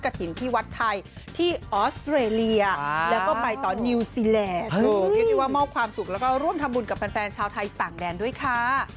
ก็คิดว่าเมาค์ความสุขแล้วก็ร่วมทำบุญกับแฟนชาวไทยต่างแดนด้วยค่ะ